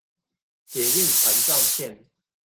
捷運環狀線